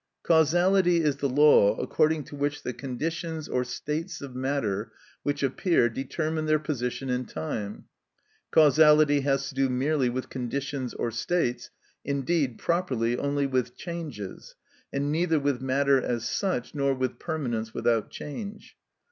Causality is the law according to which the conditions or states of matter which appear determine their position in time. Causality has to do merely with conditions or states, indeed, properly, only with changes, and neither with matter as such, nor with permanence without change.